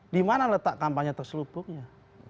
di mana letak kampanye terselupuknya